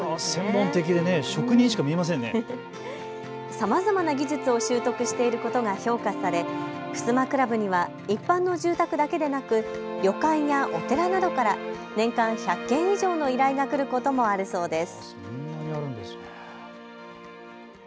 さまざまな技術を習得していることが評価され襖クラブには一般の住宅だけでなく旅館やお寺などから年間１００件以上の依頼が来ることもあるそうです。